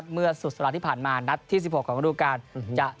เมื่อสุดสัปดาห์ที่ผ่านมานัดที่๑๖ของฤดูการ